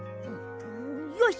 よし！